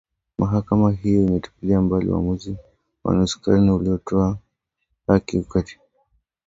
mahakama hiyo imetupilia mbali uamuzi wa nusu karne uliotoa haki ya kikatiba ya kutoa mimba na kwa hivyo sasa majimbo yameachiwa uhuru